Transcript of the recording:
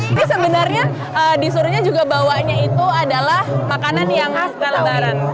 ini sebenarnya disuruhnya juga bawanya itu adalah makanan yang astra lebaran